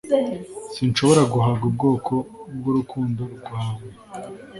kandi sinshobora guhaga ubwoko bwurukundo rwawea